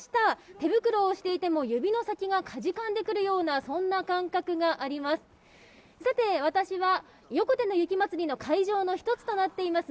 手袋をしていても指の先がかじかんでくるような感覚があります。